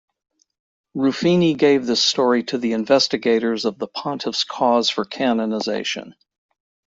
Ruffini gave this story to the investigators of the pontiff's cause for canonization.